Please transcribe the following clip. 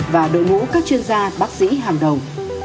và đội ngũ các chuyên gia bác sĩ hàng đầu